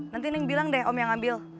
nanti ning bilang deh om yang ambil